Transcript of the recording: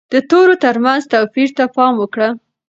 د تورو ترمنځ توپیر ته پام وکړه.